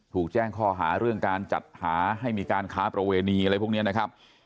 ถูกแจ้งข้อหาเรื่องการจัดหาให้มีการค้าประเวณีอะไรพวกนี้นะครับ